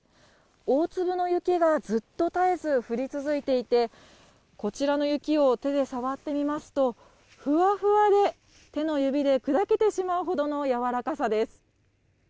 大粒の雪がずっと絶えず降り続いていて、こちらの雪を手で触ってみますと、ふわふわで、手の指で砕けてしまうほどの柔らかさです。